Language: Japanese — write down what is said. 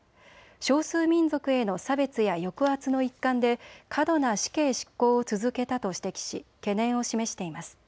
少数民族への差別や抑圧の一環で過度な死刑執行を続けたと指摘し懸念を示しています。